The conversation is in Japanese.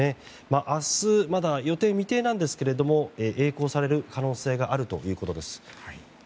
明日、まだ予定は未定なんですがえい航される可能性があるということです。